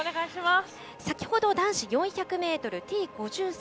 先ほど男子４００ｍＴ５３